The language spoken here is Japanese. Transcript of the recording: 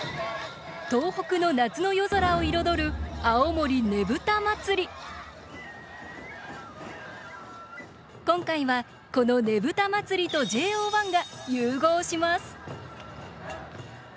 東北の夏の夜空を彩る今回はこのねぶた祭とＪＯ１が融合します！